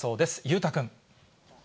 裕太君。